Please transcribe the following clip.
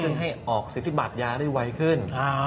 ซึ่งให้ออกศิษย์ทธิบัตยักษ์ได้ไวขึ้น